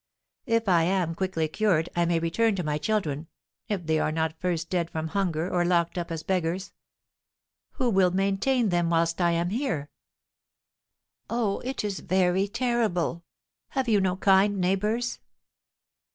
If I am quickly cured I may return to my children, if they are not first dead from hunger or locked up as beggars. Who will maintain them whilst I am here?" "Oh, it is very terrible! Have you no kind neighbours?"